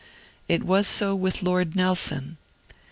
It was so with Lord Nelson.